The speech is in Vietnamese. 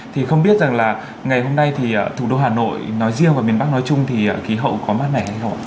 thì không biết rằng là ngày hôm nay thì thủ đô hà nội nói riêng và miền bắc nói chung thì khí hậu có mát mẻ hay không